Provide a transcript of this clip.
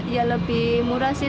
ya lebih murah sih